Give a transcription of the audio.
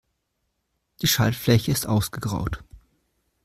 Die Schaltfläche ist ausgegraut.